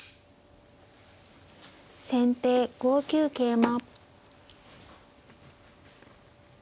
先手５九桂馬。